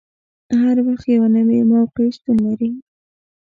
هر وخت یوه نوې موقع شتون لري.